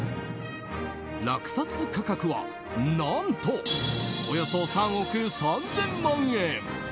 落札価格は、何とおよそ３億３０００万円。